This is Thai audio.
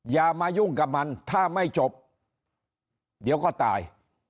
อย่ามายุ่งกับมันถ้าไม่จบเดี๋ยวก็ตาย